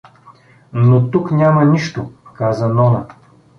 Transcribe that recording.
— Но тук няма нищо — каза Нона.